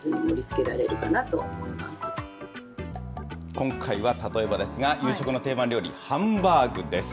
今回は例えばですが、夕食の定番料理、ハンバーグです。